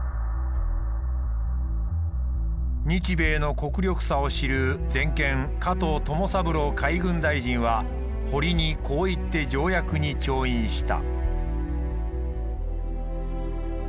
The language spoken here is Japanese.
日米の国力差を知る全権加藤友三郎海軍大臣は堀にこう言って条約に調印した。